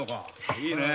いいねえ。